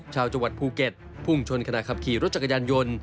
ชาวจังหวัดภูเก็ตพุ่งชนขณะขับขี่รถจักรยานยนต์